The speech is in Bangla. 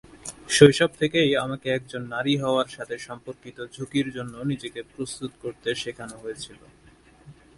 শৈশব থেকেই আমাকে একজন নারী হওয়ার সাথে সম্পর্কিত ঝুঁকির জন্য নিজেকে প্রস্তুত করতে শেখানো হয়েছিল।